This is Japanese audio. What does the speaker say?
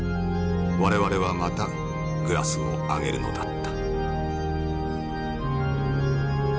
我々はまたグラスを上げるのだった」。